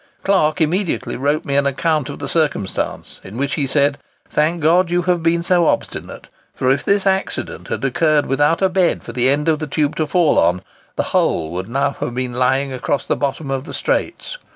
Clark immediately wrote me an account of the circumstance, in which he said, 'Thank God, you have been so obstinate. For if this accident had occurred without a bed for the end of the tube to fall on, the whole would now have been lying across the bottom of the Straits.